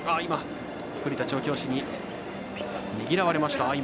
栗田調教師にねぎらわれました。